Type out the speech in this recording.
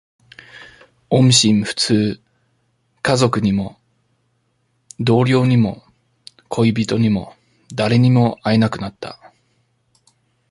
音信不通。家族にも、同僚にも、恋人にも、誰にも会えなくなった。